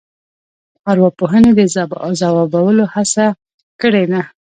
ارواپوهنې د ځوابولو هڅه کړې ده.